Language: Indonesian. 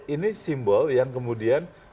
ini simbol yang kemudian